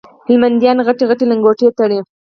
هلمنديان غټي غټي لنګوټې تړي